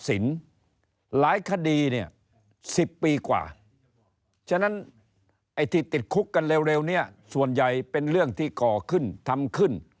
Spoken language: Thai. ส่วนใหญ่เป็นเรื่องที่ก่อขึ้นทำขึ้น